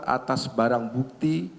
atas barang bukti